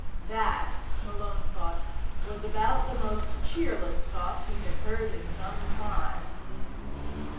That, Malone thought, was about the most cheerless thought he had heard in sometime.